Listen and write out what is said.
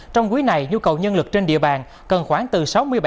trong quý này nhu cầu nhân lực trên địa bàn cần khoảng từ sáu mươi bảy bảy mươi ba người